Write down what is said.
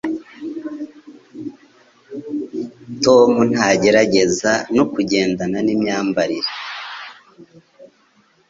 Tom ntagerageza no kugendana nimyambarire.